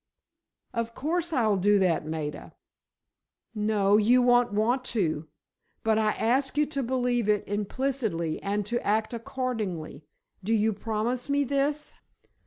"Of course I'll do that, Maida." "No; you won't want to. But I ask you to believe it implicitly and to act accordingly. Do you promise me this?"